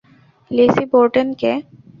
Lessee Borden K?